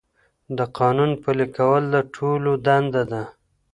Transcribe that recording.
د قانون پلي کول د ټولو دنده ده.